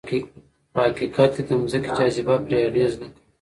په حقیقت کې د ځمکې جاذبه پرې اغېز نه کوي.